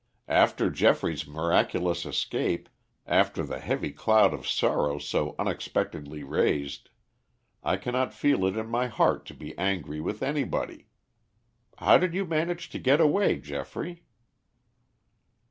"After Geoffrey's miraculous escape, after the heavy cloud of sorrow so unexpectedly raised, I cannot feel it in my heart to be angry with anybody. How did you manage to get away, Geoffrey?"